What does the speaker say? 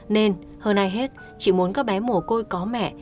nên hơn ai hết chị muốn các bé mồ côi có mẹ